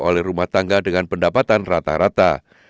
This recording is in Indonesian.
oleh rumah tangga dengan pendapatan rata rata